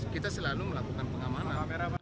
kita selalu melakukan pengamanan